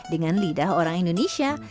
dengan lidah orang indonesia